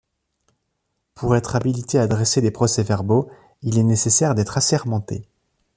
Pour être habilité à dresser des procès-verbaux, il est nécessaire d'être assermenté.